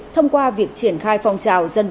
thông qua việc triển khai phong trào dân